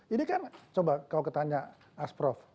ini kan coba kalau ketanya asprof